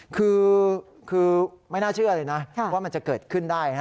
คือไม่น่าเชื่อเลยนะว่ามันจะเกิดขึ้นได้